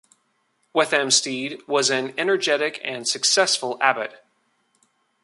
Whethamstede was an energetic and successful abbot.